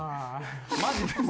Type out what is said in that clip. マジです。